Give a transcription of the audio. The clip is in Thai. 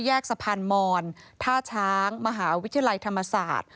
สะพานมอนท่าช้างมหาวิทยาลัยธรรมศาสตร์